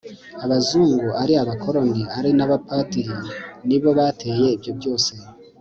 abazungu, ari abakoloni ari n'abapadiri nibo bateye ibyo byose